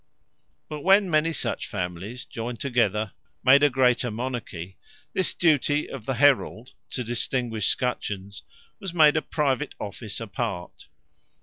But when many such Families, joyned together, made a greater Monarchy, this duty of the Herealt, to distinguish Scutchions, was made a private Office a part.